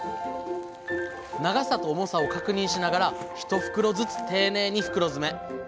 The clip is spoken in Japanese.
長さと重さを確認しながら１袋ずつ丁寧に袋詰め。